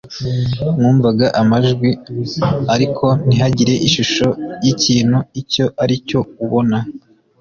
Mwumvaga amajwi ariko ntihagire ishusho y ikintu icyo ari cyo ubona